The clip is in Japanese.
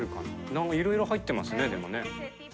何かいろいろ入ってますねでもね。